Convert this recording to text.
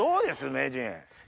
名人。